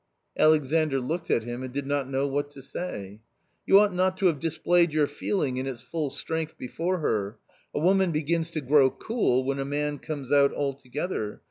Alexandr looked at him and did not know what to say. " You ought not to have displayed your feeling in its full strength before her ; a woman begins to grow cool when a man comes out altogether.